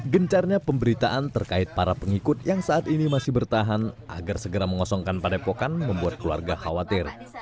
gencarnya pemberitaan terkait para pengikut yang saat ini masih bertahan agar segera mengosongkan padepokan membuat keluarga khawatir